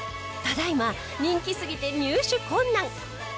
ただ今人気すぎて入手困難！